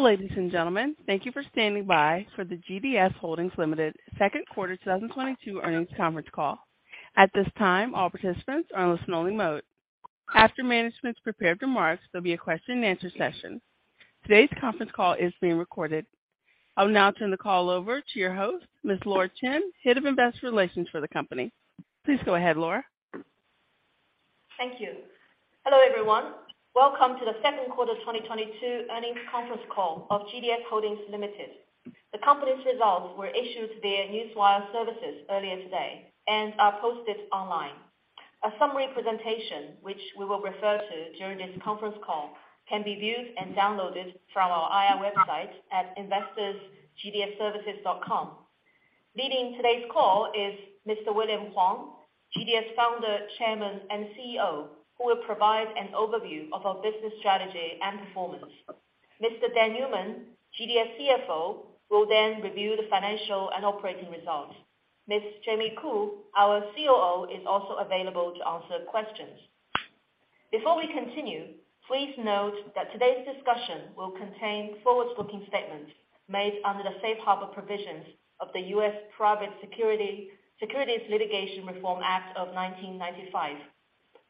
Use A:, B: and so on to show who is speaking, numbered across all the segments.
A: Hello, ladies and gentlemen. Thank you for standing by for the GDS Holdings Limited Q2 2022 earnings conference call. At this time, all participants are in listen only mode. After management's prepared remarks, there'll be a Q&A session. Today's conference call is being recorded. I'll now turn the call over to your host, Ms. Laura Chen, Head of Investor Relations for the company. Please go ahead, Laura.
B: Thank you. Hello, everyone. Welcome to the Q2 2022 earnings conference call of GDS Holdings Limited. The company's results were issued via Newswire services earlier today and are posted online. A summary presentation, which we will refer to during this conference call, can be viewed and downloaded from our IR website at investors.gds-services.com. Leading today's call is Mr. William Huang, GDS Founder, Chairman, and Chief Executive Officer, who will provide an overview of our business strategy and performance. Mr. Dan Newman, GDS Chief Financial Officer, will then review the financial and operating results. Ms. Jamie Koo, our Chief Operating Officer, is also available to answer questions. Before we continue, please note that today's discussion will contain forward-looking statements made under the Safe Harbor provisions of the U.S. Private Securities Litigation Reform Act of 1995.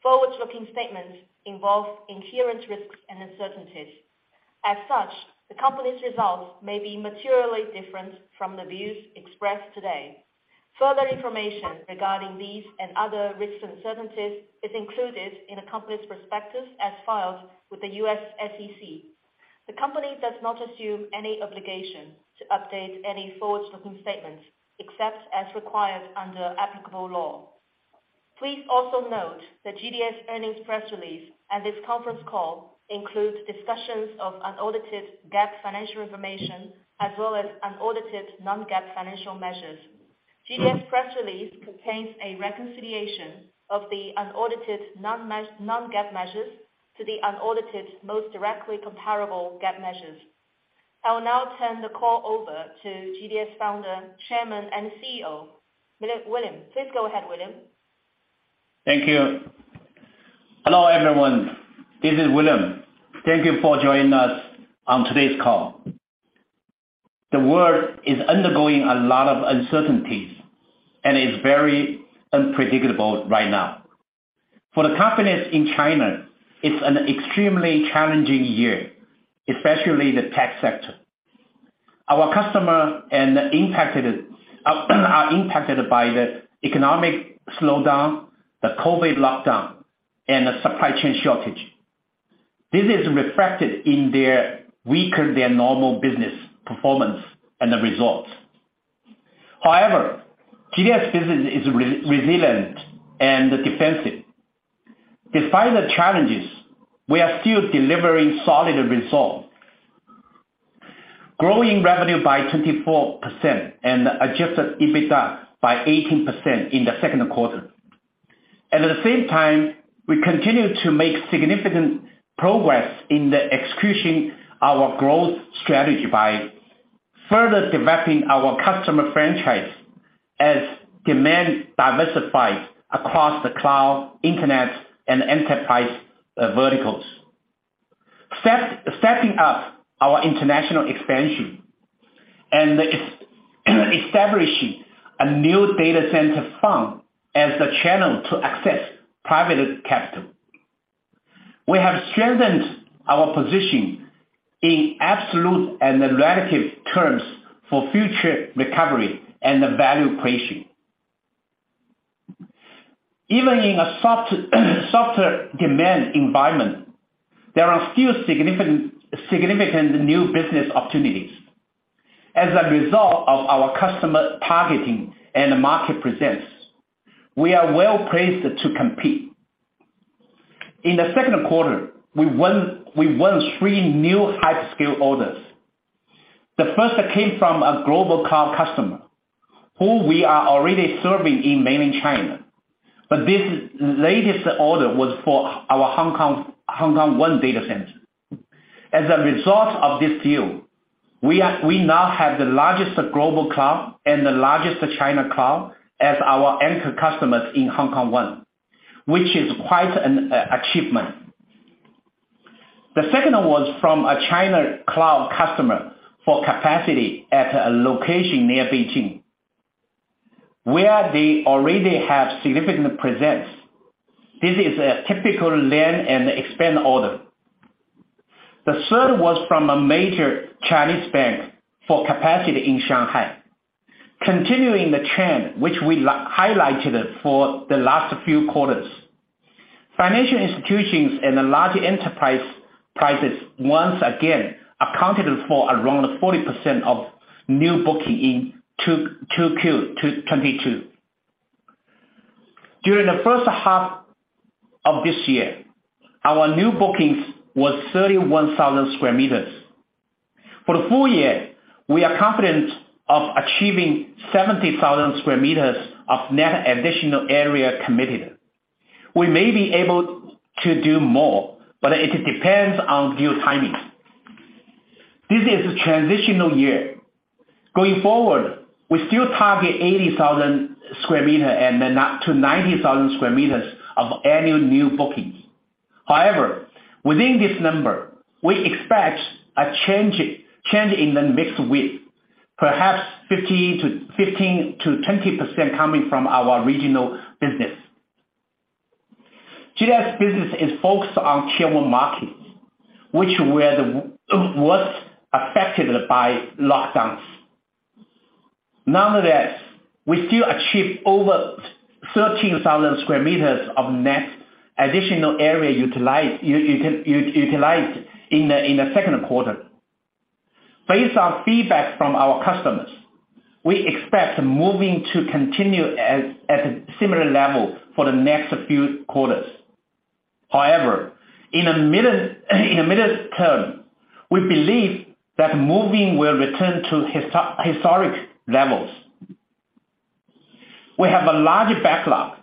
B: Forward-looking statements involve inherent risks and uncertainties. As such, the company's results may be materially different from the views expressed today. Further information regarding these and other risks and uncertainties is included in the company's prospectus as filed with the U.S. SEC. The company does not assume any obligation to update any forward-looking statements except as required under applicable law. Please also note that GDS earnings press release and this conference call includes discussions of unaudited GAAP financial information as well as unaudited non-GAAP financial measures. GDS press release contains a reconciliation of the unaudited non-GAAP measures to the unaudited most directly comparable GAAP measures. I will now turn the call over to GDS Founder, Chairman, and Chief Executive Officer, William. Please go ahead, William.
C: Thank you. Hello, everyone. This is William. Thank you for joining us on today's call. The world is undergoing a lot of uncertainties and is very unpredictable right now. For the companies in China, it's an extremely challenging year, especially the tech sector. Our customers are impacted by the economic slowdown, the COVID lockdown, and the supply chain shortage. This is reflected in their weaker than normal business performance and the results. However, GDS business is resilient and defensive. Despite the challenges, we are still delivering solid results, growing revenue by 24% and adjusted EBITDA by 18% in the Q2. At the same time, we continue to make significant progress in the execution our growth strategy by further developing our customer franchise as demand diversifies across the cloud, Internet, and enterprise verticals. Stepping up our international expansion and establishing a new data center fund as the channel to access private capital. We have strengthened our position in absolute and relative terms for future recovery and the value creation. Even in a softer demand environment, there are still significant new business opportunities. As a result of our customer targeting and market presence, we are well-placed to compete. In the Q2, we won three new hyperscale orders. The first came from a global cloud customer who we are already serving in mainland China. This latest order was for our Hong Kong One data center. As a result of this deal, we now have the largest global cloud and the largest China cloud as our anchor customers in Hong Kong One, which is quite an achievement. The second was from a China cloud customer for capacity at a location near Beijing, where they already have significant presence. This is a typical land and expand order. The third was from a major Chinese bank for capacity in Shanghai. Continuing the trend which we highlighted for the last few quarters. Financial institutions and the large enterprise clients once again accounted for around 40% of new bookings in 2Q22. During the first half of this year, our new bookings was 31,000 sq m. For the full year, we are confident of achieving 70,000 sq m of net additional area committed. We may be able to do more, but it depends on deal timing. This is a transitional year. Going forward, we still target 80,000 sq m and then up to 90,000 sq m of annual new bookings. However, within this number, we expect a change in the mix with perhaps 15%-20% coming from our regional business. GDS business is focused on Tier 1 markets, which was affected by lockdowns. Nonetheless, we still achieved over 13,000 sq m of net additional area utilized in the Q2. Based on feedback from our customers, we expect utilization to continue at a similar level for the next few quarters. However, in the medium term, we believe that utilization will return to historic levels. We have a large backlog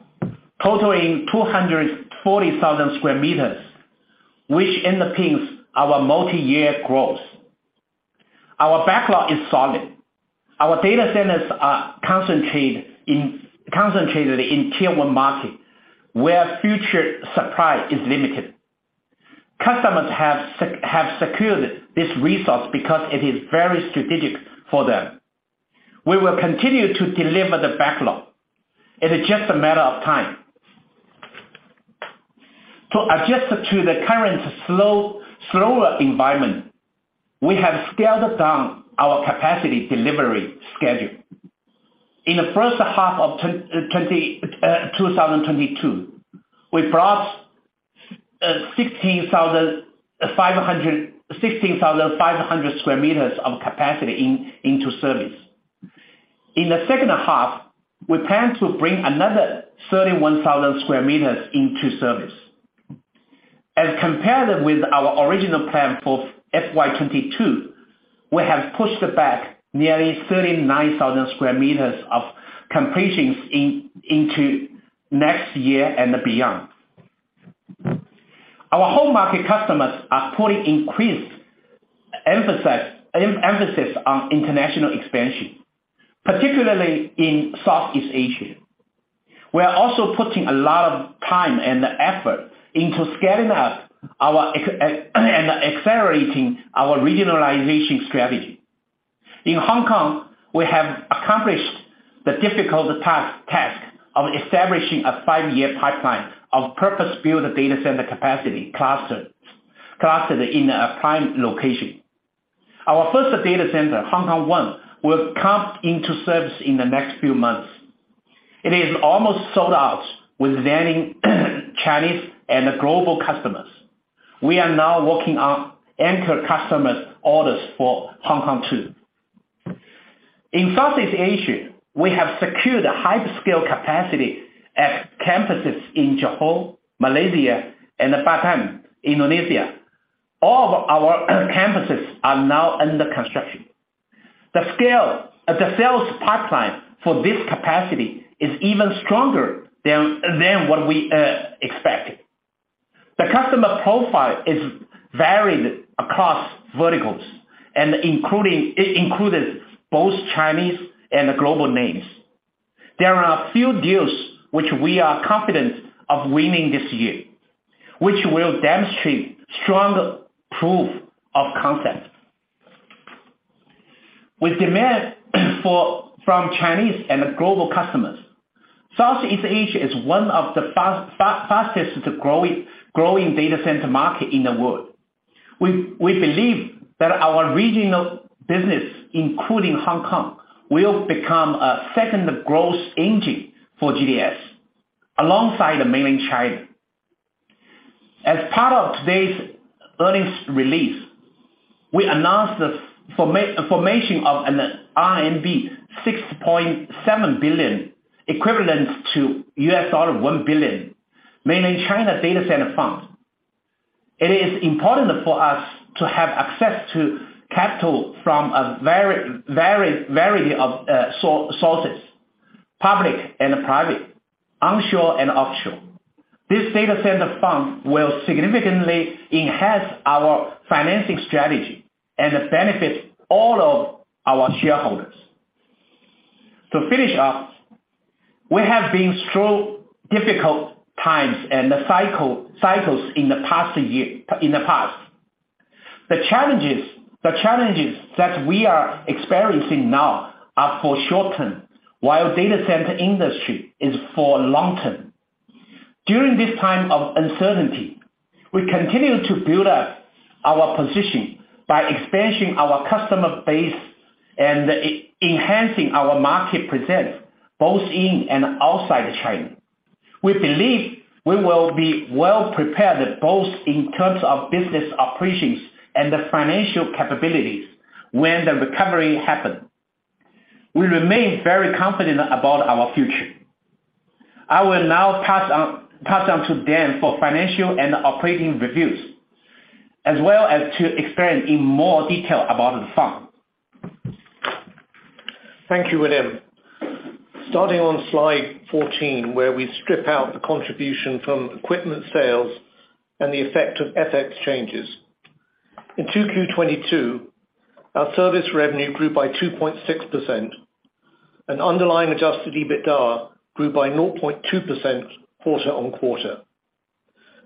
C: totaling 240,000 sq m, which underpins our multiyear growth. Our backlog is solid. Our data centers are concentrated in Tier 1 market, where future supply is limited. Customers have secured this resource because it is very strategic for them. We will continue to deliver the backlog. It is just a matter of time. To adjust to the current slower environment, we have scaled down our capacity delivery schedule. In the first half of 2022, we brought 16,500 sq m of capacity into service. In the second half, we plan to bring another 31,000 sq m into service. As compared with our original plan for FY22, we have pushed back nearly 39,000 sq m of completions into next year and beyond. Our home market customers are putting increased emphasis on international expansion, particularly in Southeast Asia. We are also putting a lot of time and effort into scaling up our and accelerating our regionalization strategy. In Hong Kong, we have accomplished the difficult task of establishing a five-year pipeline of purpose-built data center capacity clustered in a prime location. Our first data center, Hong Kong One, will come into service in the next few months. It is almost sold out with landing Chinese and global customers. We are now working on anchor customers' orders for Hong Kong Two. In Southeast Asia, we have secured hyperscale capacity at campuses in Johor, Malaysia, and Batam, Indonesia. All of our campuses are now under construction. The sales pipeline for this capacity is even stronger than what we expected. The customer profile is varied across verticals. It includes both Chinese and global names. There are a few deals which we are confident of winning this year, which will demonstrate strong proof of concept. With demand from Chinese and global customers, Southeast Asia is one of the fastest growing data center market in the world. We believe that our regional business, including Hong Kong, will become a second growth engine for GDS alongside Mainland China. As part of today's earnings release, we announced the formation of an RMB 6.7 billion, equivalent to $1 billion, Mainland China Data Center Fund. It is important for us to have access to capital from a very variety of sources, public and private, onshore and offshore. This data center fund will significantly enhance our financing strategy and benefit all of our shareholders. To finish up, we have been through difficult times and the cycles in the past year, in the past. The challenges that we are experiencing now are for short term, while data center industry is for long term. During this time of uncertainty, we continue to build up our position by expanding our customer base and enhancing our market presence both in and outside China. We believe we will be well prepared, both in terms of business operations and the financial capabilities when the recovery happen. We remain very confident about our future. I will now pass on to Dan for financial and operating reviews, as well as to expand in more detail about the fund.
D: Thank you, William. Starting on slide 14, where we strip out the contribution from equipment sales and the effect of FX changes. In 2Q 2022, our service revenue grew by 2.6% and underlying adjusted EBITDA grew by 0.2% quarter-on-quarter.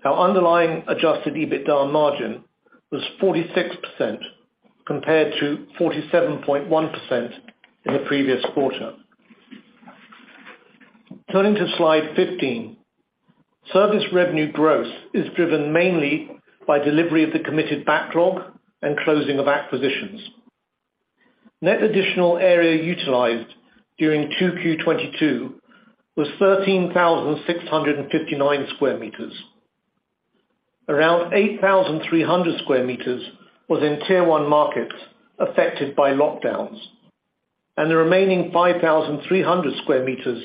D: Our underlying adjusted EBITDA margin was 46% compared to 47.1% in the previous quarter. Turning to slide 15. Service revenue growth is driven mainly by delivery of the committed backlog and closing of acquisitions. Net additional area utilized during 2Q 2022 was 13,659 sq m. Around 8,300 sq m was in Tier 1 markets affected by lockdowns, and the remaining 5,300 sq m was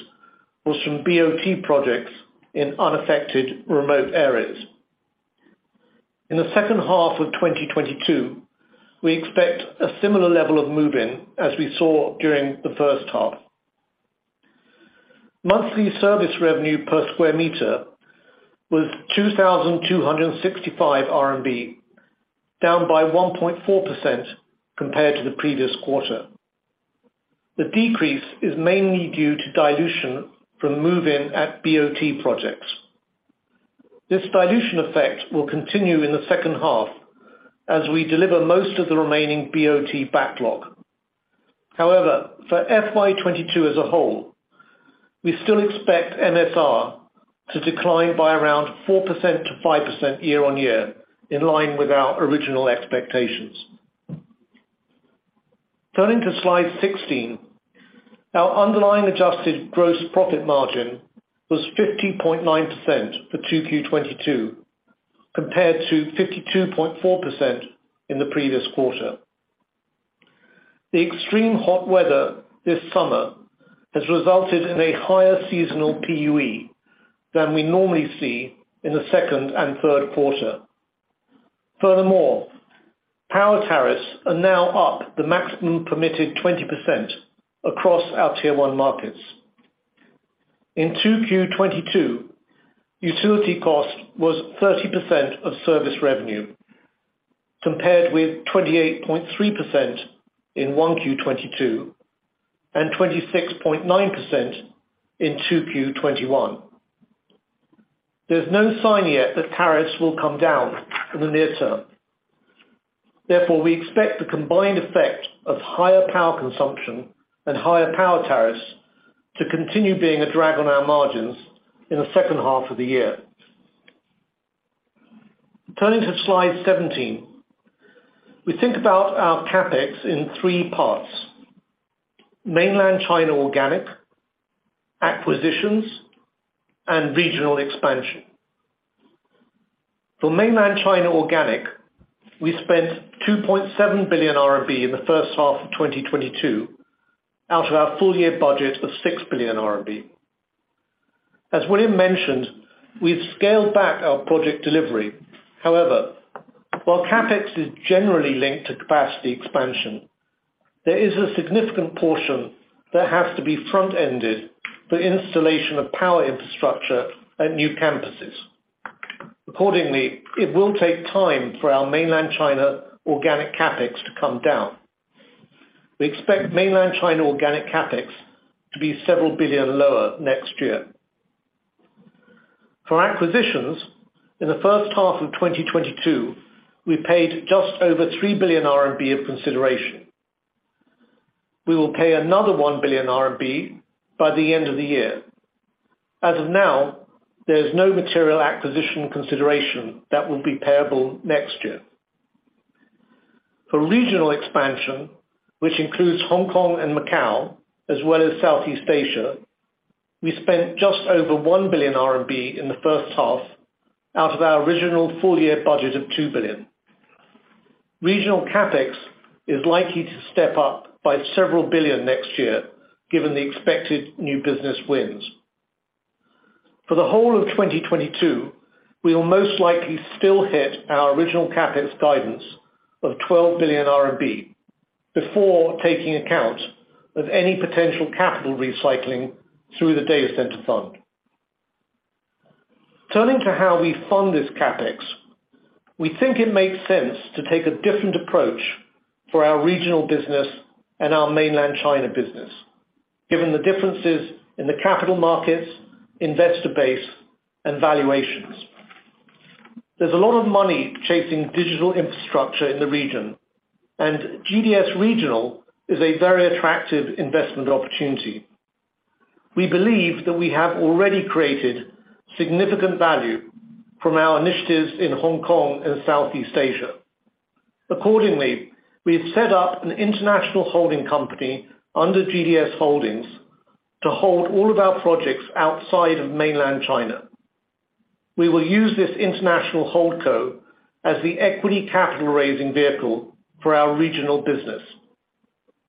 D: from BOT projects in unaffected remote areas. In the second half of 2022, we expect a similar level of move-in as we saw during the first half. Monthly service revenue per square meter was 2,265 RMB, down by 1.4% compared to the previous quarter. The decrease is mainly due to dilution from move-in at BOT projects. This dilution effect will continue in the second half as we deliver most of the remaining BOT backlog. However, for FY 2022 as a whole, we still expect MSR to decline by around 4%-5% year-on-year, in line with our original expectations. Turning to slide 16. Our underlying adjusted gross profit margin was 50.9% for 2Q 2022, compared to 52.4% in the previous quarter. The extreme hot weather this summer has resulted in a higher seasonal PUE than we normally see in the second and Q3. Furthermore, power tariffs are now up the maximum permitted 20% across our Tier 1 markets. In 2Q 2022, utility cost was 30% of service revenue, compared with 28.3% in 1Q 2022 and 26.9% in 2Q 2021. There's no sign yet that tariffs will come down in the near term. Therefore, we expect the combined effect of higher power consumption and higher power tariffs to continue being a drag on our margins in the second half of the year. Turning to slide 17. We think about our CapEx in three parts. Mainland China organic, acquisitions, and regional expansion. For mainland China organic, we spent 2.7 billion RMB in the first half of 2022 out of our full year budget of 6 billion RMB. As William mentioned, we've scaled back our project delivery. However, while CapEx is generally linked to capacity expansion, there is a significant portion that has to be front-ended for installation of power infrastructure at new campuses. Accordingly, it will take time for our mainland China organic CapEx to come down. We expect mainland China organic CapEx to be several billion lower next year. For acquisitions, in the first half of 2022, we paid just over 3 billion RMB in consideration. We will pay another 1 billion RMB by the end of the year. As of now, there is no material acquisition consideration that will be payable next year. For regional expansion, which includes Hong Kong and Macau as well as Southeast Asia, we spent just over 1 billion RMB in the first half out of our original full year budget of 2 billion. Regional CapEx is likely to step up by RMB several billion next year given the expected new business wins. For the whole of 2022, we will most likely still hit our original CapEx guidance of 12 billion RMB before taking account of any potential capital recycling through the data center fund. Turning to how we fund this CapEx. We think it makes sense to take a different approach for our regional business and our mainland China business, given the differences in the capital markets, investor base and valuations. There's a lot of money chasing digital infrastructure in the region, and GDS Regional is a very attractive investment opportunity. We believe that we have already created significant value from our initiatives in Hong Kong and Southeast Asia. Accordingly, we have set up an international holding company under GDS Holdings to hold all of our projects outside of mainland China. We will use this international holdco as the equity capital raising vehicle for our regional business.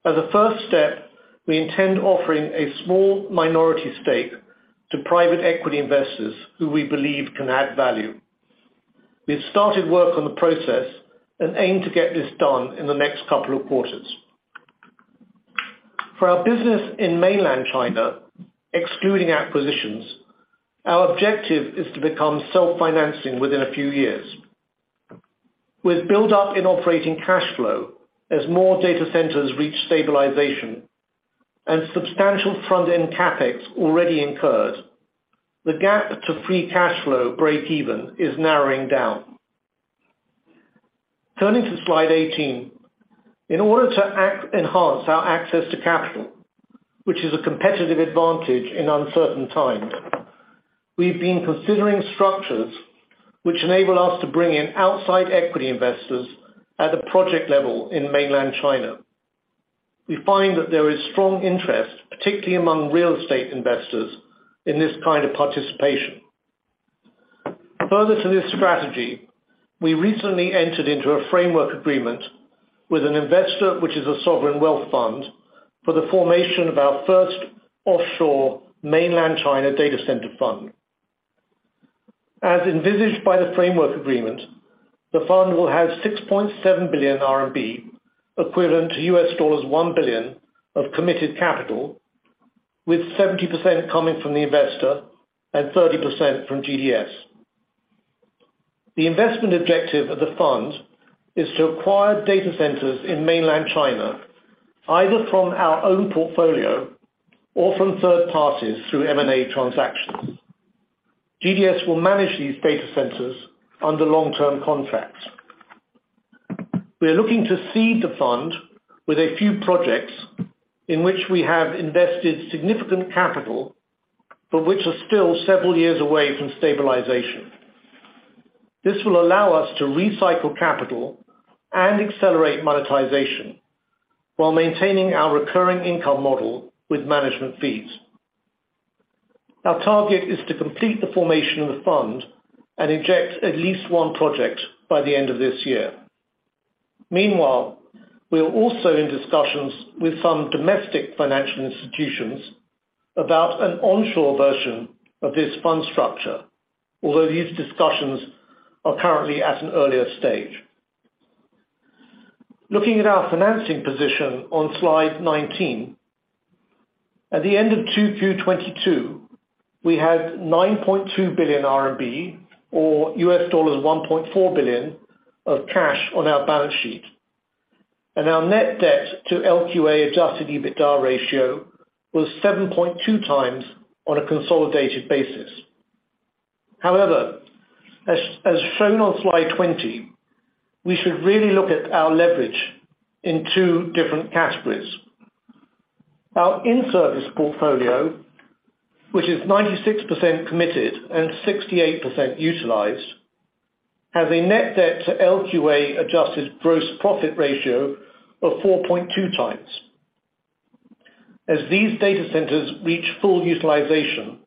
D: As a first step, we intend offering a small minority stake to private equity investors who we believe can add value. We've started work on the process and aim to get this done in the next couple of quarters. For our business in Mainland China, excluding acquisitions, our objective is to become self-financing within a few years. With buildup in operating cash flow as more data centers reach stabilization and substantial front-end CapEx already incurred, the gap to free cash flow breakeven is narrowing down. Turning to slide 18, in order to enhance our access to capital, which is a competitive advantage in uncertain times, we've been considering structures which enable us to bring in outside equity investors at a project level in Mainland China. We find that there is strong interest, particularly among real estate investors, in this kind of participation. Further to this strategy, we recently entered into a framework agreement with an investor, which is a sovereign wealth fund, for the formation of our first offshore Mainland China data center fund. As envisaged by the framework agreement, the fund will have 6.7 billion RMB, equivalent to $1 billion of committed capital, with 70% coming from the investor and 30% from GDS. The investment objective of the fund is to acquire data centers in Mainland China, either from our own portfolio or from third parties through M&A transactions. GDS will manage these data centers under long-term contracts. We are looking to seed the fund with a few projects in which we have invested significant capital, but which are still several years away from stabilization. This will allow us to recycle capital and accelerate monetization while maintaining our recurring income model with management fees. Our target is to complete the formation of the fund and inject at least one project by the end of this year. Meanwhile, we are also in discussions with some domestic financial institutions about an onshore version of this fund structure, although these discussions are currently at an earlier stage. Looking at our financing position on slide 19, at the end of 2Q 2022, we had 9.2 billion RMB or $1.4 billion of cash on our balance sheet, and our net debt to LQA adjusted EBITDA ratio was 7.2x on a consolidated basis. However, as shown on slide 20, we should really look at our leverage in two different categories. Our in-service portfolio, which is 96 committed and 68 utilized, has a net debt to LQA adjusted gross profit ratio of 4.2x. As these data centers reach full utilization,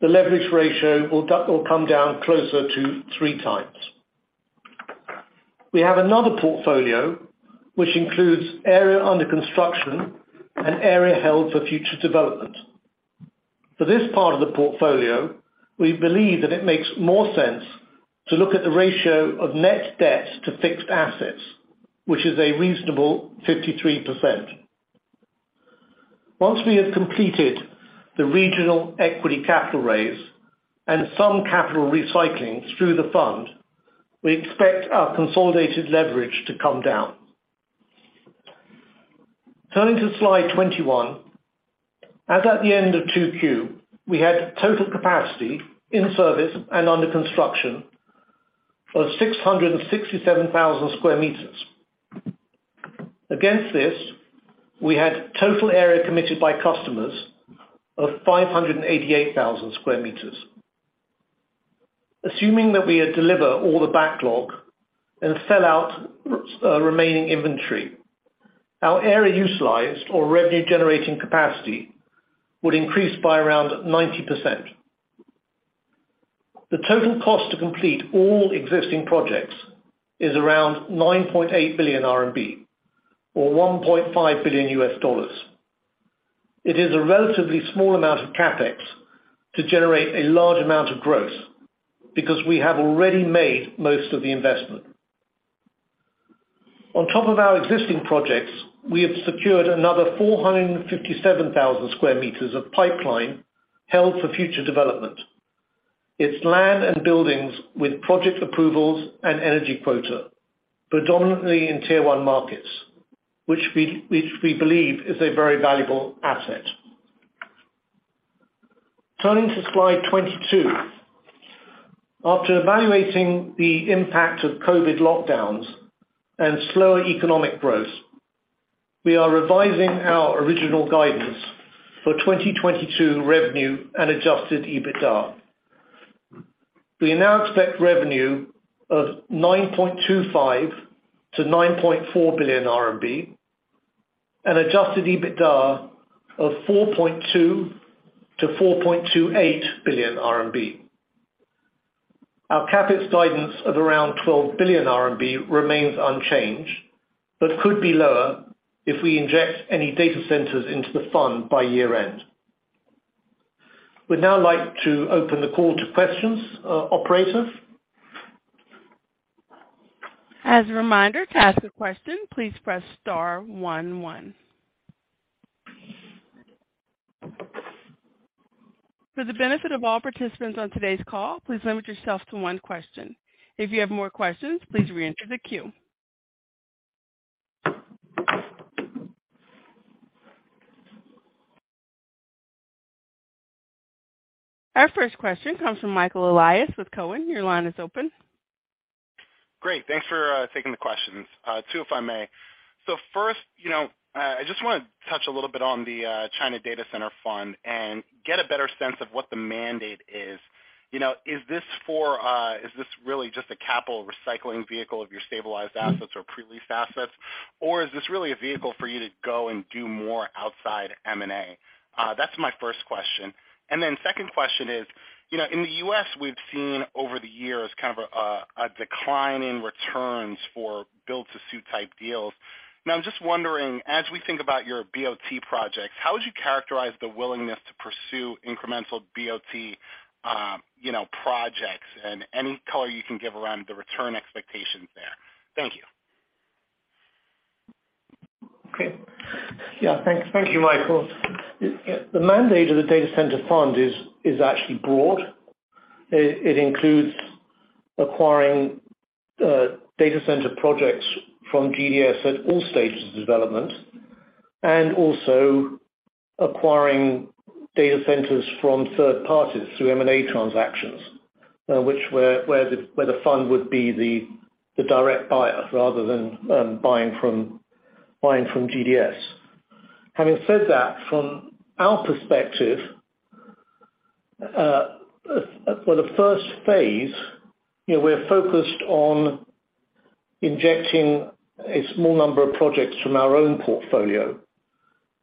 D: the leverage ratio will come down closer to 3x. We have another portfolio which includes area under construction and area held for future development. For this part of the portfolio, we believe that it makes more sense to look at the ratio of net debt to fixed assets, which is a reasonable 53%. Once we have completed the regional equity capital raise and some capital recycling through the fund, we expect our consolidated leverage to come down. Turning to slide 21, as at the end of 2Q, we had total capacity in service and under construction of 667,000 sq m. Against this, we had total area committed by customers of 588,000 sq m. Assuming that we deliver all the backlog and sell out remaining inventory, our area utilized or revenue generating capacity would increase by around 90%. The total cost to complete all existing projects is around 9.8 billion RMB or $1.5 billion. It is a relatively small amount of CapEx to generate a large amount of growth because we have already made most of the investment. On top of our existing projects, we have secured another 457,000 sq m of pipeline held for future development. It's land and buildings with project approvals and energy quota, predominantly in Tier 1 markets, which we believe is a very valuable asset. Turning to slide 22, after evaluating the impact of COVID lockdowns and slower economic growth, we are revising our original guidance for 2022 revenue and adjusted EBITDA. We now expect revenue of 9.25 billion-9.4 billion RMB and adjusted EBITDA of 4.2 billion-4.28 billion RMB. Our CapEx guidance of around 12 billion RMB remains unchanged, but could be lower if we inject any data centers into the fund by year-end. We'd now like to open the call to questions. Operator?
A: As a reminder, to ask a question, please press star one. For the benefit of all participants on today's call, please limit yourself to one question. If you have more questions, please re-enter the queue. Our first question comes from Michael Elias with Cowen. Your line is open.
E: Great. Thanks for taking the questions. Two, if I may. First, you know, I just wanna touch a little bit on the China data center fund and get a better sense of what the mandate is. You know, is this really just a capital recycling vehicle of your stabilized assets or pre-leased assets, or is this really a vehicle for you to go and do more outside M&A? That's my first question. Second question is, you know, in the U.S. we've seen over the years kind of a decline in returns for build-to-suit type deals. I'm just wondering, as we think about your BOT projects, how would you characterize the willingness to pursue incremental BOT projects and any color you can give around the return expectations there? Thank you.
D: Okay. Yeah. Thank you, Michael. The mandate of the data center fund is actually broad. It includes acquiring data center projects from GDS at all stages of development, and also acquiring data centers from third parties through M&A transactions, which, where the fund would be the direct buyer rather than buying from GDS. Having said that, from our perspective, for the first phase, you know, we're focused on injecting a small number of projects from our own portfolio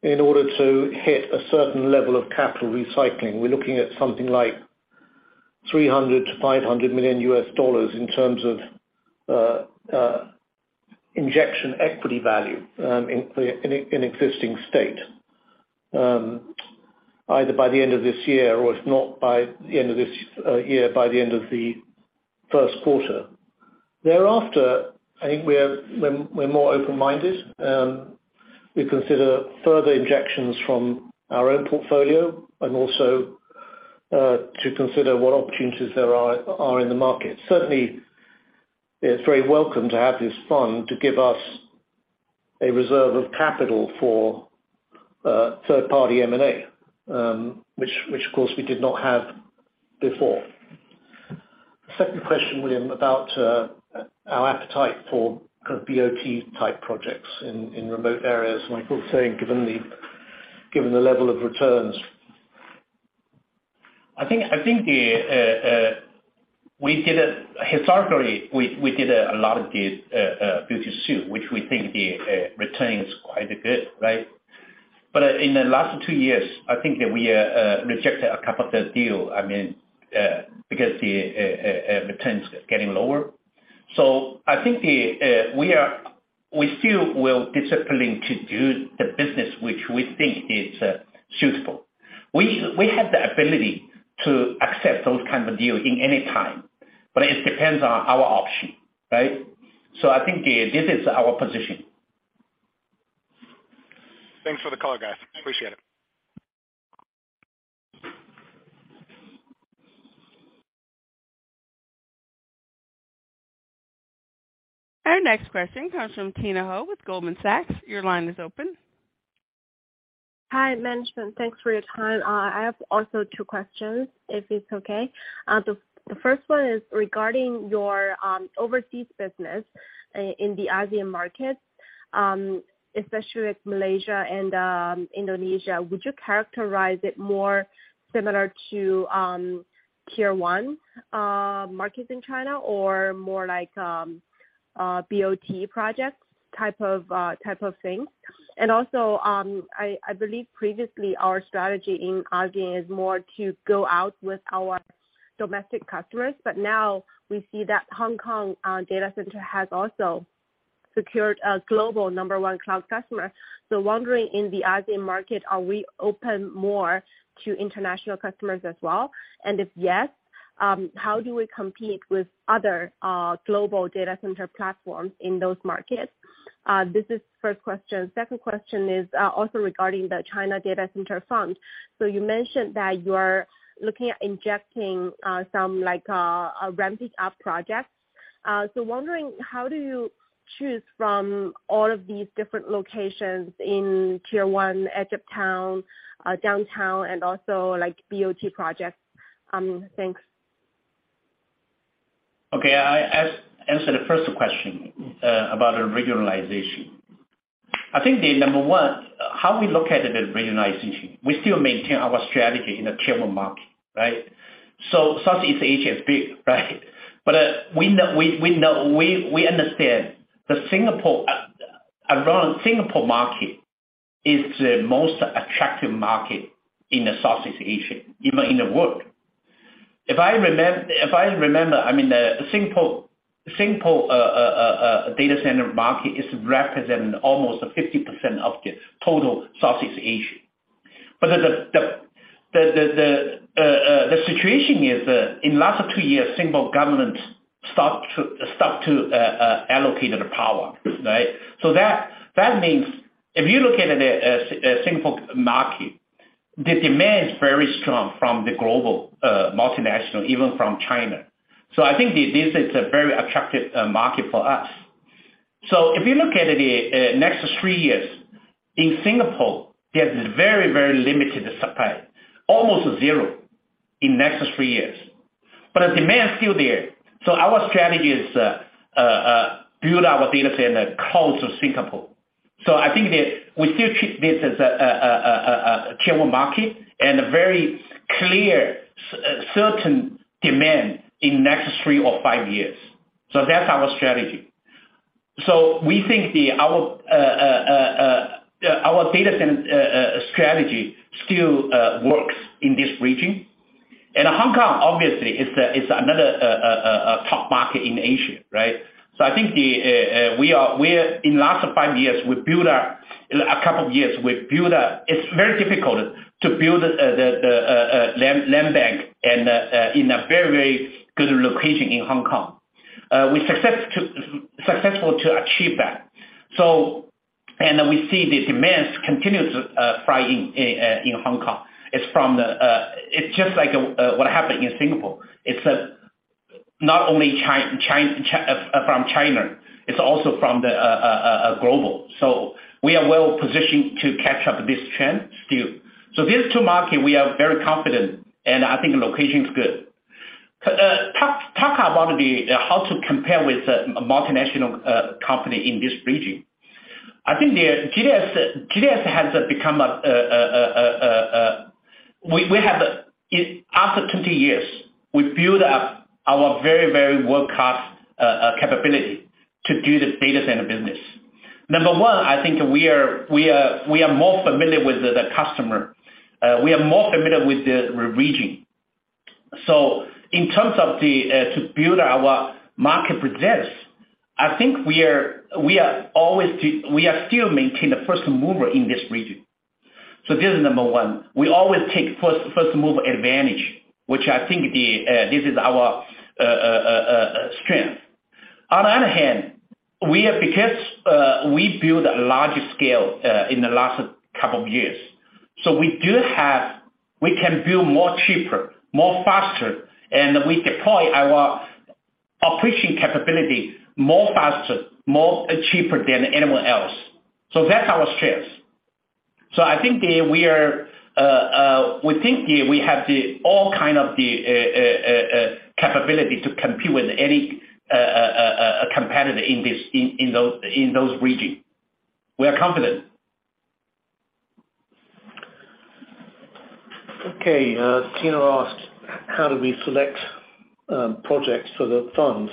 D: in order to hit a certain level of capital recycling. We're looking at something like $300 million-$500 million in terms of injection equity value in existing state either by the end of this year or if not by the end of this year by the end of the Q1. Thereafter, I think we're more open-minded. We consider further injections from our own portfolio and also to consider what opportunities there are in the market. Certainly, it's very welcome to have this fund to give us a reserve of capital for third party M&A which of course we did not have before. Second question, William, about our appetite for kind of BOT type projects in remote areas, Michael saying given the level of returns.
C: I think historically we did a lot of the build-to-suit, which we think the return is quite good, right? In the last two years, I think that we rejected a couple of the deals, I mean, because the returns getting lower. I think we still will be disciplined to do the business, which we think is suitable. We have the ability to accept those kinds of deals at any time, but it depends on our options, right? I think this is our position.
E: Thanks for the call, guys. Appreciate it.
A: Our next question comes from Tina Hou with Goldman Sachs. Your line is open.
F: Hi, management. Thanks for your time. I have also two questions if it's okay. The first one is regarding your overseas business in the ASEAN markets, especially Malaysia and Indonesia. Would you characterize it more similar to Tier 1 markets in China or more like BOT projects type of thing? I believe previously our strategy in ASEAN is more to go out with our domestic customers, but now we see that Hong Kong data center has also secured a global number one cloud customer. Wondering in the ASEAN market, are we open more to international customers as well? If yes, how do we compete with other global data center platforms in those markets? This is first question. Second question is, also regarding the China data center fund. You mentioned that you are looking at injecting some like a ramped up projects. Wondering how do you choose from all of these different locations in Tier 1 edge of town, downtown and also like BOT projects? Thanks.
C: Okay. I answer the first question about the regionalization. I think the number one, how we look at the regionalization, we still maintain our strategy in the Tier 1 market, right? Southeast Asia is big, right? We know we understand the Singapore around Singapore market is the most attractive market in the Southeast Asia, even in the world. If I remember, I mean, the Singapore data center market is representing almost 50% of the total Southeast Asia. The situation is in last two years, Singapore government stopped to allocate the power, right? That means if you look at it, Singapore market, the demand is very strong from the global multinational, even from China. I think this is a very attractive market for us. If you look at it, the next three years, in Singapore, there's very, very limited supply, almost zero in next three years. The demand is still there. Our strategy is build our data center close to Singapore. I think that we still treat this as a Tier 1 market and a very clear, certain demand in next three or five years. That's our strategy. We think our data center strategy still works in this region. Hong Kong obviously is another top market in Asia, right? I think we're in last five years, we built a couple of years. It's very difficult to build the land bank and in a very good location in Hong Kong. We successful to achieve that. We see the demand continues rising in Hong Kong. It's from the. It's just like what happened in Singapore. It's not only from China, it's also from the global. We are well positioned to catch up this trend still. These two markets, we are very confident, and I think the location is good. Talk about how to compare with the multinational company in this region. I think GDS has become a. We have after 20 years we built up our very world-class capability to do the data center business. Number one, I think we are more familiar with the customer. We are more familiar with the region. So in terms of to build our market presence, I think we are still maintain the first mover in this region. So this is number one. We always take first mover advantage, which I think this is our strength. On other hand, we have because we build a large scale in the last couple of years. We can build more cheaper, more faster, and we deploy our operation capability more faster, more cheaper than anyone else. That's our strengths. We have the all kind of the capability to compete with any a competitor in those region. We are confident.
D: Okay. Tina asked, how do we select projects for the fund?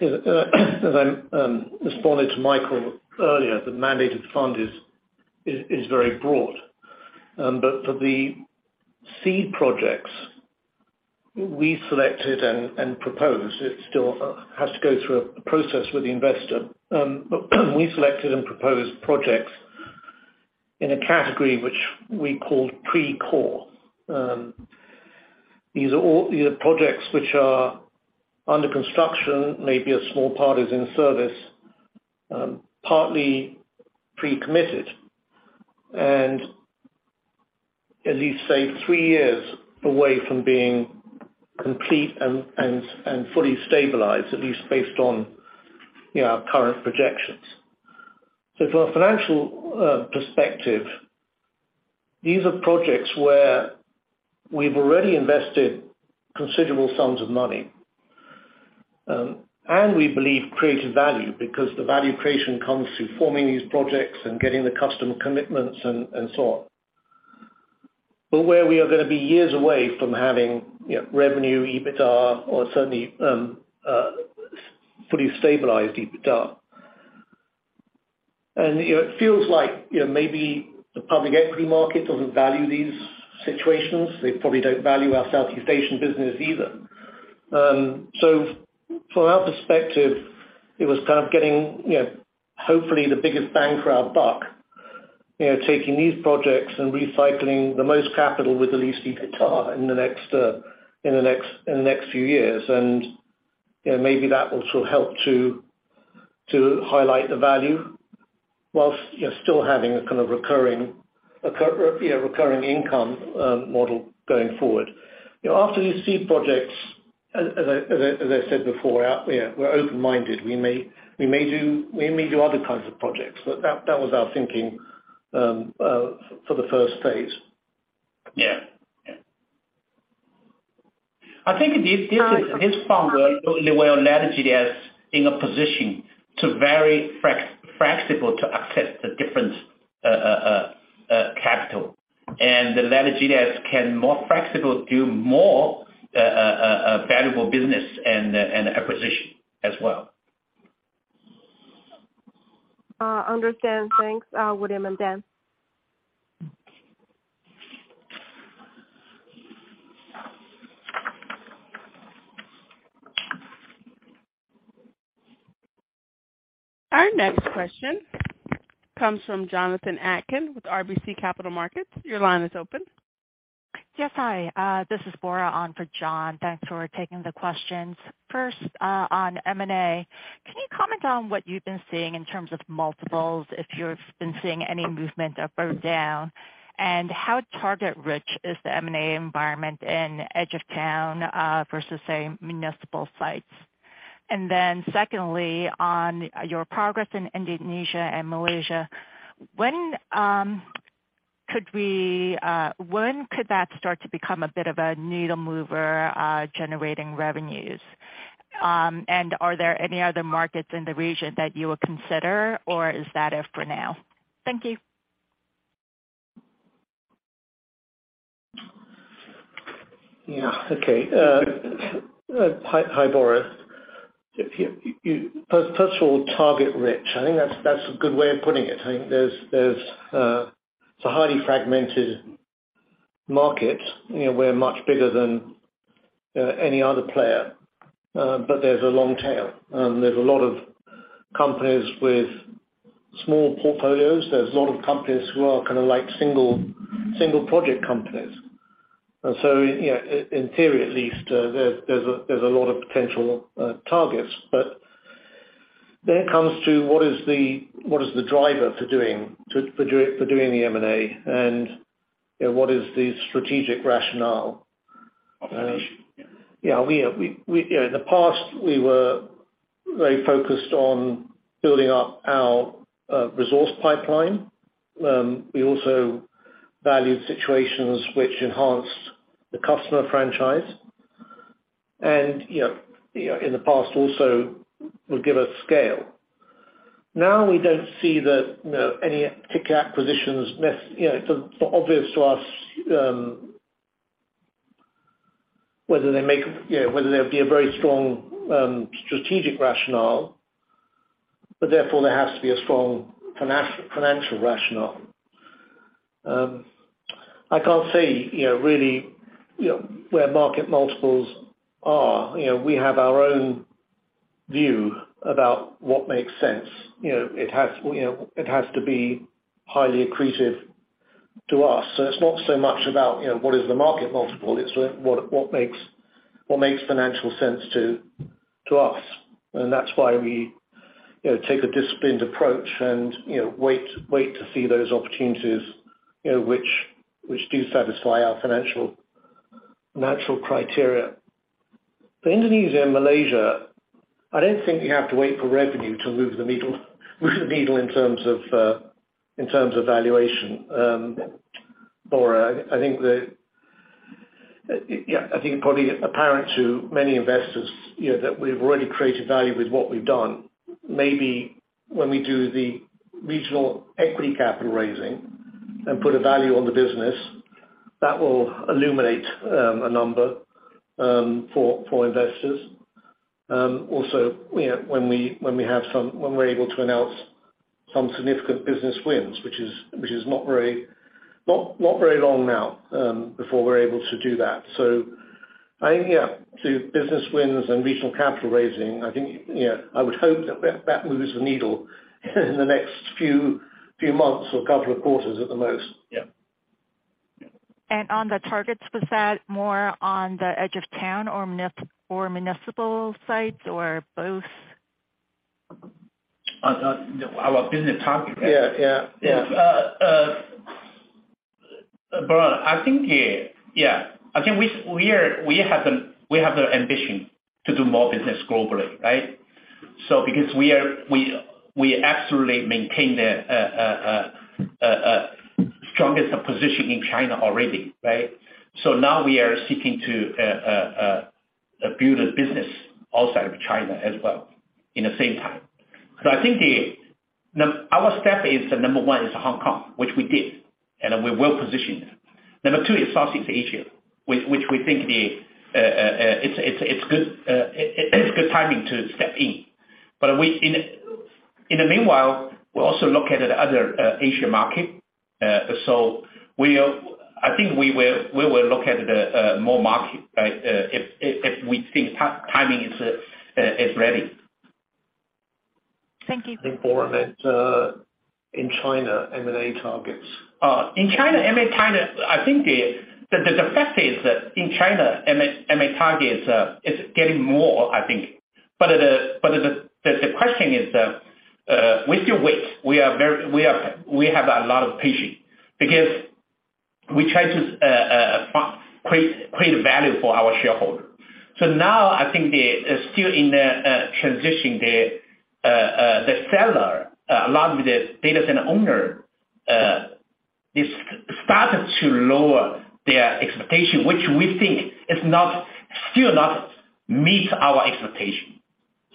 D: You know, as I responded to Michael earlier, the mandated fund is very broad. For the seed projects we selected and proposed, it still has to go through a process with the investor. We selected and proposed projects in a category which we called pre-core. These are all, you know, projects which are under construction, maybe a small part is in service, partly pre-committed, and at least say three years away from being complete and fully stabilized, at least based on, you know, our current projections. From a financial perspective, these are projects where we've already invested considerable sums of money, and we believe created value because the value creation comes through forming these projects and getting the customer commitments and so on. Where we are gonna be years away from having, you know, revenue, EBITDA or certainly fully stabilized EBITDA. It feels like, you know, maybe the public equity market doesn't value these situations. They probably don't value our Southeast Asian business either. From our perspective, it was kind of getting, you know, hopefully the biggest bang for our buck, you know, taking these projects and recycling the most capital with the least EBITDA in the next few years. You know, maybe that will sort of help to highlight the value while still having a kind of recurring income model going forward. You know, after these seed projects, as I said before, you know, we're open-minded. We may do other kinds of projects. But that was our thinking for the first phase.
C: Yeah. I think this fund will allows GDS is in a position to very flexible to accept the different capital. The allowing GDS can more flexible do more valuable business and acquisition as well.
F: Understand. Thanks, William and Dan.
A: Our next question comes from Jonathan Atkin with RBC Capital Markets. Your line is open.
G: Yes. Hi. This is Bora on for Jonathan Atkin. Thanks for taking the questions. First, on M&A, can you comment on what you've been seeing in terms of multiples, if you've been seeing any movement up or down? How target rich is the M&A environment in edge of town, versus, say, municipal sites? Then secondly, on your progress in Indonesia and Malaysia, when could that start to become a bit of a needle mover, generating revenues? Are there any other markets in the region that you will consider, or is that it for now? Thank you.
D: Yeah. Okay. Hi, Bora. First of all, target rich. I think that's a good way of putting it. I think there's. It's a highly fragmented market. You know, we're much bigger than any other player, but there's a long tail. There's a lot of companies with small portfolios. There's a lot of companies who are kinda like single project companies. You know, in theory at least, there's a lot of potential targets. But then it comes to what is the driver for doing the M&A, and, you know, what is the strategic rationale?
C: Of the nation, yeah.
D: Yeah. We, you know, in the past, we were very focused on building up our resource pipeline. We also valued situations which enhanced the customer franchise and, you know, in the past also would give us scale. Now we don't see that, you know, any particular acquisitions. You know, it's obvious to us whether they make, you know, whether there'd be a very strong strategic rationale, but therefore there has to be a strong financial rationale. I can't say, you know, really, you know, where market multiples are. You know, we have our own view about what makes sense. You know, it has to be highly accretive to us. So it's not so much about, you know, what is the market multiple, it's what makes financial sense to us. That's why we take a disciplined approach and wait to see those opportunities which do satisfy our financial natural criteria. For Indonesia and Malaysia, I don't think you have to wait for revenue to move the needle in terms of valuation. Bora, yeah, I think probably apparent to many investors that we've already created value with what we've done. Maybe when we do the regional equity capital raising and put a value on the business, that will illuminate a number for investors. Also, when we're able to announce some significant business wins, which is not very long now before we're able to do that. I think, yeah, business wins and regional capital raising. I think, you know, I would hope that that moves the needle in the next few months or couple of quarters at the most. Yeah.
G: On the targets, was that more on the edge of town or municipal sites or both?
C: On our business targets?
D: Yeah.
C: Bora, I think we have an ambition to do more business globally, right? Because we absolutely maintain the strongest position in China already, right? Now we are seeking to build a business outside of China as well in the same time. I think now, our step is number one is Hong Kong, which we did, and we're well positioned. Number two is Southeast Asia, which we think it's good timing to step in. We, in the meanwhile, we also look at the other Asia market. I think we will look at the M&A market, right, if we think timing is ready.
G: Thank you.
D: Bora, in China M&A targets.
C: In China, M&A China, I think the fact is that in China M&A targets, is getting more, I think. The question is that, we still wait. We have a lot of patience because we try to create value for our shareholder. Now I think they are still in the transition. The seller, a lot of the data center owner, is started to lower their expectation, which we think is not, still not meet our expectation.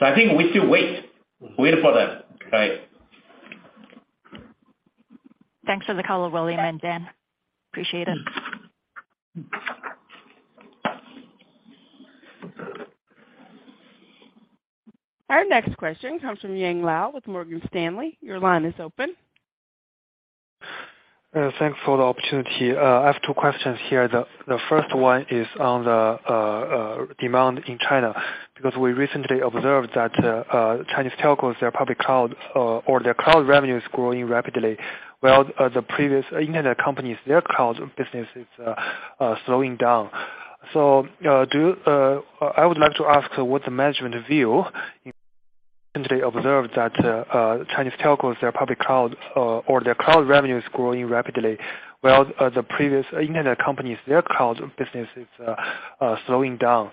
C: I think we still wait. Wait for that, right?
G: Thanks for the color, William and Dan. Appreciate it.
A: Our next question comes from Yang Liu with Morgan Stanley. Your line is open.
H: Thanks for the opportunity. I have two questions here. The first one is on the demand in China, because we recently observed that Chinese telcos, their public cloud or their cloud revenue is growing rapidly. The previous internet companies, their cloud business is slowing down. I would like to ask what's the management view? They observed that Chinese telcos, their public cloud or their cloud revenue is growing rapidly, while the previous internet companies, their cloud business is slowing down.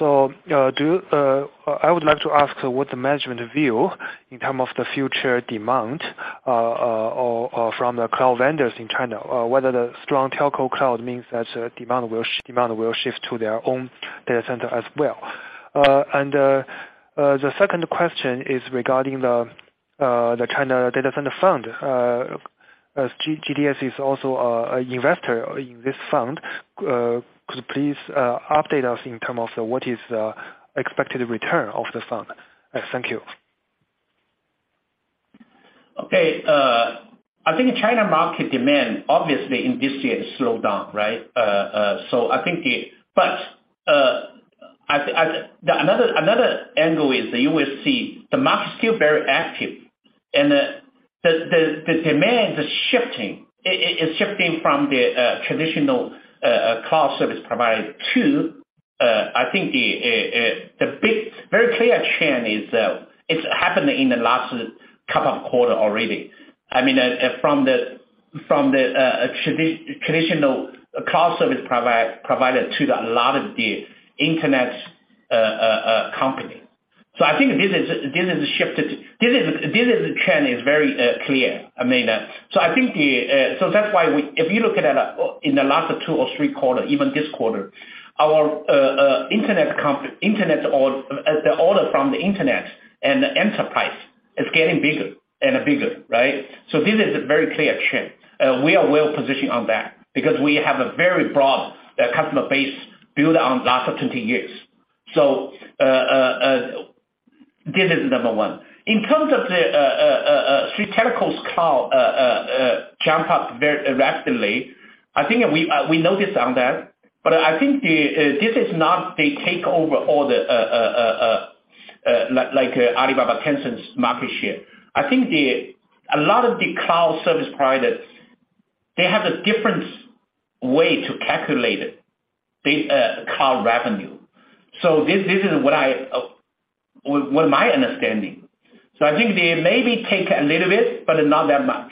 H: I would like to ask what's the management view in terms of the future demand or from the cloud vendors in China, whether the strong telco cloud means that demand will shift to their own data center as well. The second question is regarding the China Data Center Fund. As GDS is also a investor in this fund, could you please update us in terms of what is expected return of the fund? Thank you.
C: Okay. I think China market demand obviously in this year slowed down, right? Another angle is that you will see the market is still very active, and the demand is shifting. It's shifting from the traditional cloud service provider to, I think, the very clear trend is, it's happened in the last couple of quarter already. I mean, from the traditional cloud service provided to the lot of the internet company. So I think this is shifted. This is the trend is very clear. I mean, so I think the. If you look at in the last two or three quarter, even this quarter, our internet or the order from the internet and the enterprise is getting bigger and bigger, right? This is a very clear trend. We are well positioned on that because we have a very broad customer base built on last 20 years. This is number one. In terms of the three telcos cloud jump up very rapidly, I think we noticed on that, but I think this is not the takeover or the like Alibaba, Tencent's market share. I think. A lot of the cloud service providers, they have a different way to calculate it, this cloud revenue. This is what my understanding. I think they maybe take a little bit, but not that much.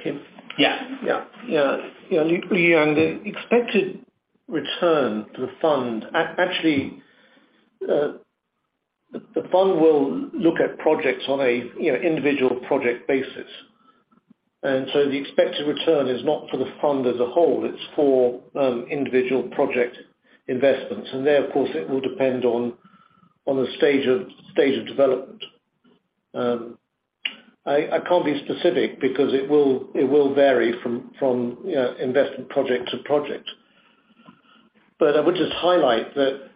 H: Okay.
C: Yeah.
D: Yeah. Actually, the fund will look at projects on a, you know, individual project basis. The expected return is not for the fund as a whole, it's for individual project investments. There, of course, it will depend on the stage of development. I can't be specific because it will vary from, you know, investment project to project. But I would just highlight that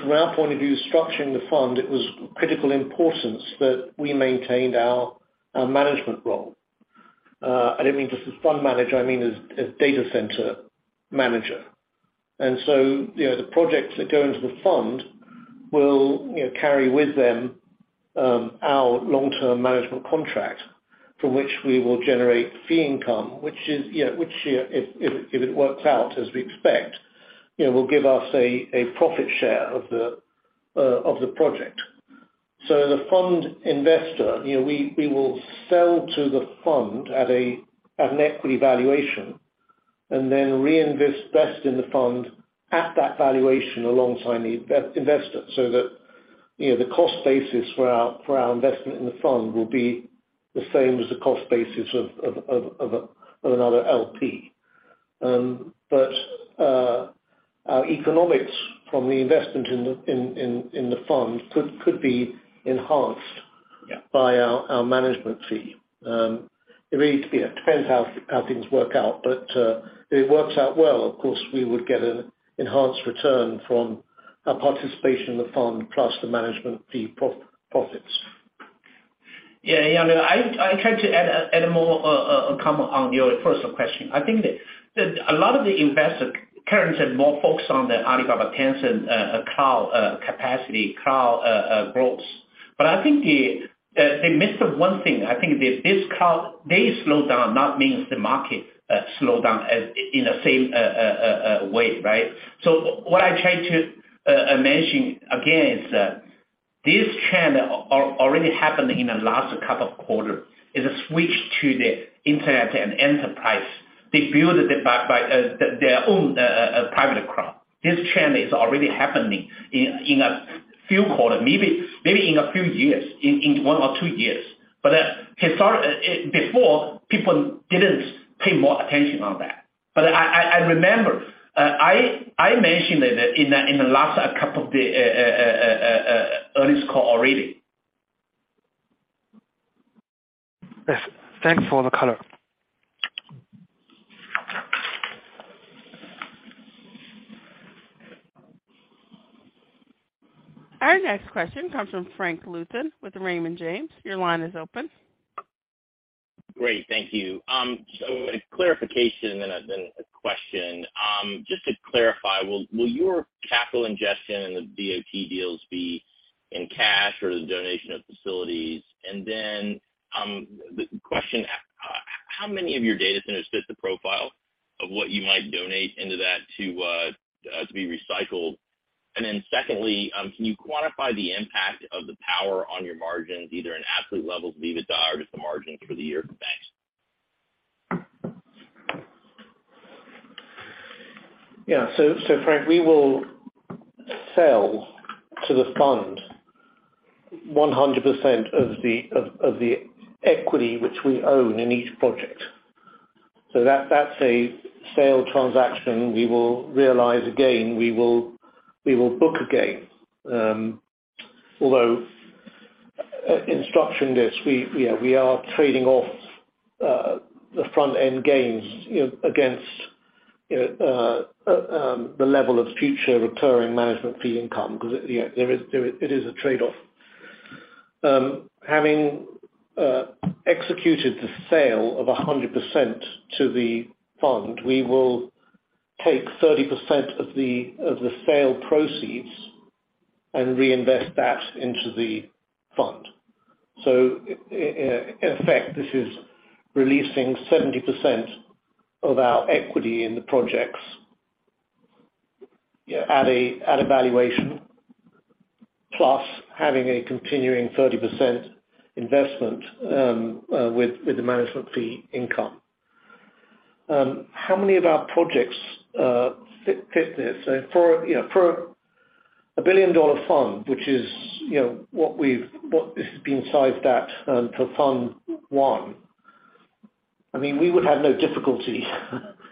D: from our point of view, structuring the fund, it was critical importance that we maintained our management role. I don't mean just as fund manager, I mean as data center manager. You know, the projects that go into the fund will, you know, carry with them our long-term management contract from which we will generate fee income, which is, you know, if it works out as we expect, you know, will give us a profit share of the project. As a fund investor, you know, we will sell to the fund at an equity valuation and then reinvest best in the fund at that valuation alongside the investor, so that, you know, the cost basis for our investment in the fund could be enhanced.
C: Yeah.
D: By our management fee. It really, you know, depends how things work out. If it works out well, of course, we would get an enhanced return from our participation in the fund, plus the management fee profits.
C: Yeah. I try to add more comment on your first question. I think that a lot of the investors currently said more focused on the Alibaba, Tencent cloud capacity, cloud growth. I think they missed one thing. I think this cloud they slow down not means the market slow down in the same way, right? What I try to mention again is that this trend already happened in the last couple of quarters, is a switch to the internet and enterprise. They build it by their own private cloud. This trend is already happening in a few quarters, maybe in a few years, in one or two years. Before people didn't pay more attention on that. I remember I mentioned it in the last couple of the earnings call already.
H: Yes. Thanks for the color.
A: Our next question comes from Frank Louthan with Raymond James. Your line is open.
I: Great. Thank you. A clarification and then a question. Just to clarify, will your capital injection and the BOT deals be in cash or the donation of facilities? Then the question, how many of your data centers fit the profile of what you might donate into that to be recycled? Secondly, can you quantify the impact of the power on your margins, either in absolute levels of EBITDA or just the margin for the year? Thanks.
D: Yeah. Frank, we will sell to the fund 100% of the equity which we own in each project. That's a sale transaction we will realize again. We will book again. Although in structuring this, you know, we are trading off the front-end gains, you know, against, you know, the level of future recurring management fee income because, you know, there is a trade-off. Having executed the sale of 100% to the fund, we will take 30% of the sale proceeds and reinvest that into the fund. In effect, this is releasing 70% of our equity in the projects at a valuation, plus having a continuing 30% investment with the management fee income. How many of our projects fit this? For a billion-dollar fund, which is what this has been sized at, for fund one, I mean, we would have no difficulty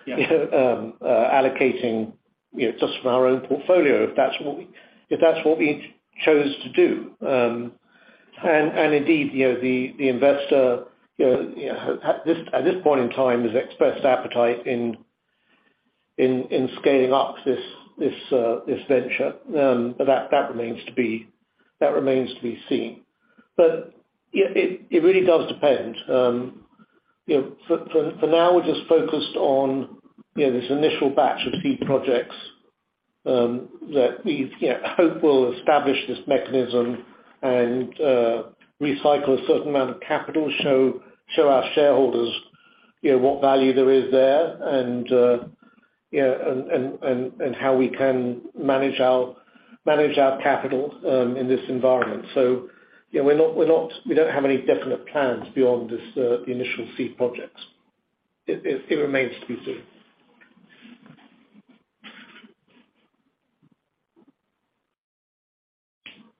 D: you know, allocating just from our own portfolio if that's what we chose to do. Indeed, the investor you know, at this point in time has expressed appetite in scaling up this venture. That remains to be seen. Yeah, it really does depend. You know, for now we're just focused on this initial batch of seed projects that we hope will establish this mechanism and recycle a certain amount of capital, show our shareholders what value there is there and how we can manage our capital in this environment. You know, we're not. We don't have any definite plans beyond this initial seed projects. It remains to be seen.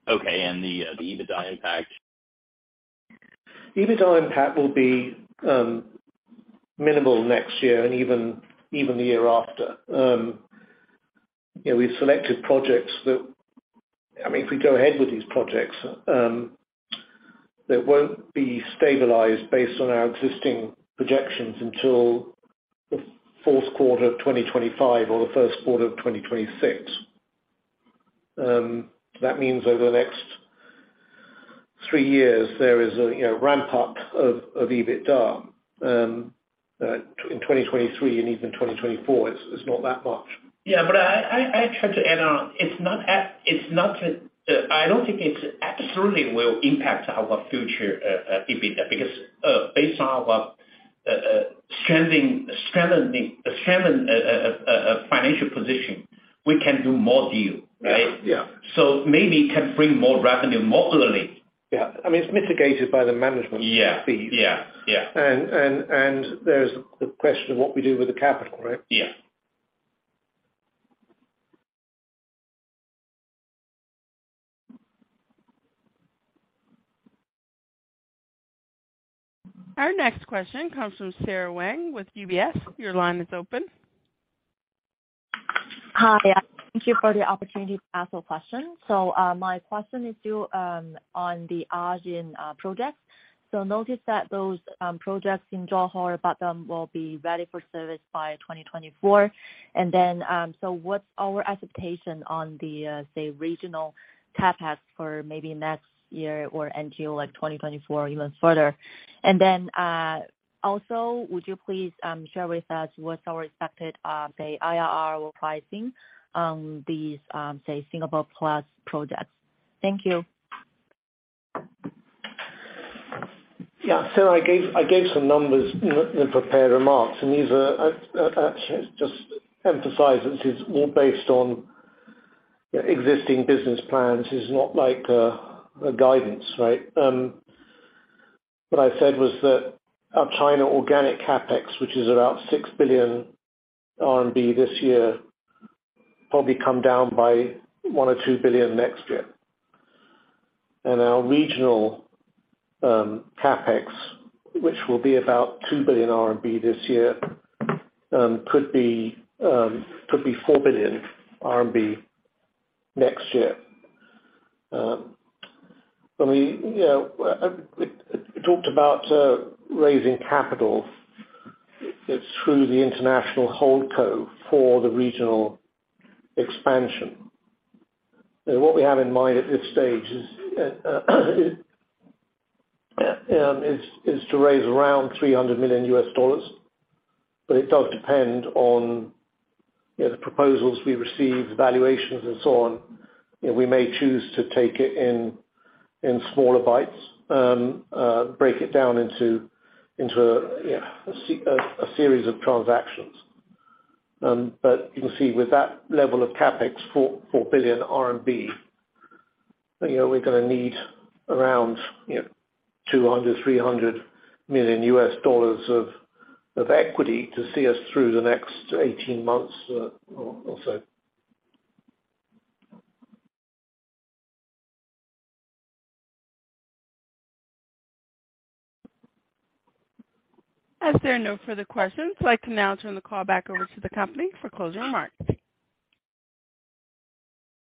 I: Okay. The EBITDA impact?
D: EBITDA impact will be minimal next year and even the year after. You know, we've selected projects that, I mean, if we go ahead with these projects, they won't be stabilized based on our existing projections until the Q4 of 2025 or the Q1 of 2026. That means over the next three years, there is a you know ramp up of EBITDA in 2023 and even in 2024, it's not that much.
C: I try to add on. I don't think it absolutely will impact our future EBITDA because based on our strengthening financial position, we can do more deal, right?
D: Yeah.
C: Maybe it can bring more revenue monthly.
D: Yeah. I mean, it's mitigated by the management fees.
C: Yeah.
D: There's the question of what we do with the capital, right?
C: Yeah.
A: Our next question comes from Xinyi Wang with UBS. Your line is open.
J: Hi. Thank you for the opportunity to ask a question. My question is on the ASEAN projects. Notice that those projects in Johor, Batam will be ready for service by 2024. What's our expectation on the say regional CapEx for maybe next year or until like 2024 or even further? Also would you please share with us what's our expected say IRR or pricing on these say Singapore Plus projects? Thank you.
D: Yeah. I gave some numbers in the prepared remarks, and these are actually, I just emphasize this is all based on existing business plans, it's not like a guidance, right? What I said was that our China organic CapEx, which is about 6 billion RMB this year, probably come down by 1-2 billion next year. Our regional CapEx, which will be about 2 billion RMB this year, could be 4 billion RMB next year. I mean, you know, we talked about raising capital through the international holdco for the regional expansion. What we have in mind at this stage is to raise around $300 million, but it does depend on, you know, the proposals we receive, valuations and so on. You know, we may choose to take it in smaller bites, break it down into a series of transactions. You can see with that level of CapEx, 4 billion RMB, you know, we're gonna need around $200 million-$300 million of equity to see us through the next 18 months or so.
A: As there are no further questions, I'd like to now turn the call back over to the company for closing remarks.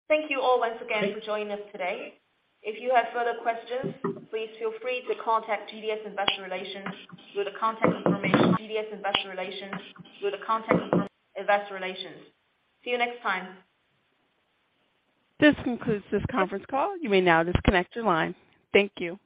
B: Thank you all once again for joining us today. If you have further questions, please feel free to contact GDS Investor Relations with the contact information. See you next time.
A: This concludes this conference call. You may now disconnect your line. Thank you.